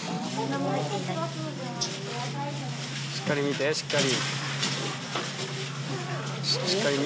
しっかり見てしっかり。